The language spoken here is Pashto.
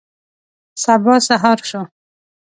سبا سهار شو.